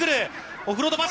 オフロードパス。